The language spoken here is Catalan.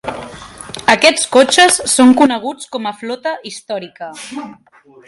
Aquests cotxes són coneguts com a flota històrica.